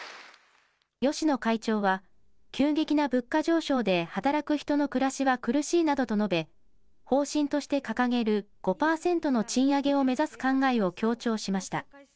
芳野会長は、急激な物価上昇で、働く人の暮らしは苦しいなどと述べ、方針として掲げる５％の賃上げを目指す考えを強調しました。